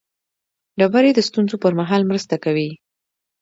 ډبرې د ستونزو پر مهال مرسته کوي.